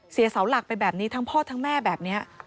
เสียเสาหลักไปแบบนี้ทั้งพ่อทั้งแม่แบบนี้